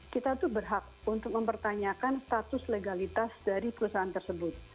kita tuh berhak untuk mempertanyakan status legalitas dari perusahaan tersebut